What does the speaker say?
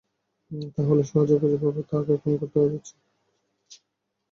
তাহলে সহজে খুঁজে পাবো তারা কাকে খুন করতে চাচ্ছে।